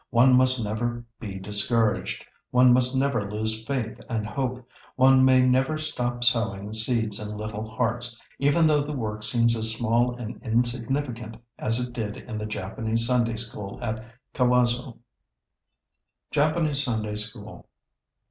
One must never be discouraged, one must never lose faith and hope, one may never stop sowing seeds in little hearts, even though the work seems as small and insignificant as it did in the Japanese Sunday School at Kawazoe. [Sidenote: Japanese Sunday School.